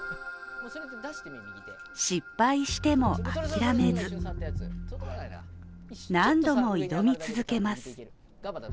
失敗しても諦めず、何度も挑み続けます。